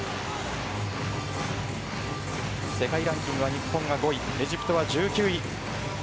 世界ランキングは日本が５位エジプトは１９位。